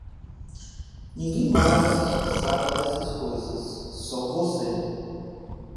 Ninguém mais sabe dessas coisas, só você.